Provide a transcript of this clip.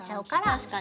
確かに。